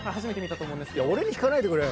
俺に聞かないでくれよ。